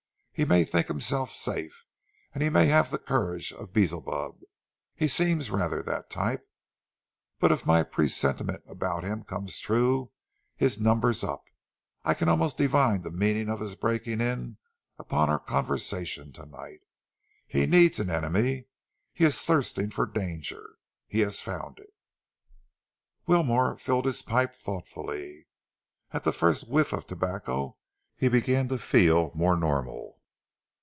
He may think himself safe, and he may have the courage of Beelzebub he seems rather that type but if my presentiment about him comes true, his number's up. I can almost divine the meaning of his breaking in upon our conversation to night. He needs an enemy he is thirsting for danger. He has found it!" Wilmore filled his pipe thoughtfully. At the first whiff of tobacco he began to feel more normal.